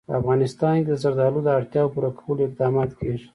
په افغانستان کې د زردالو د اړتیاوو پوره کولو اقدامات کېږي.